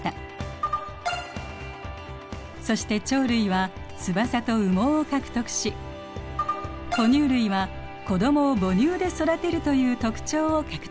そして鳥類は翼と羽毛を獲得し哺乳類は子どもを母乳で育てるという特徴を獲得しました。